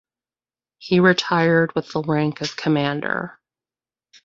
He retired with the rank of Commander.